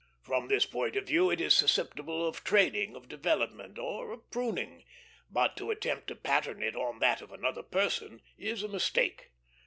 From this point of view it is susceptible of training, of development, or of pruning; but to attempt to pattern it on that of another person is a mistake.